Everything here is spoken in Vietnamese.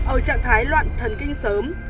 ở trạng thái loạn thần kinh sớm